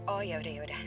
oh yaudah yaudah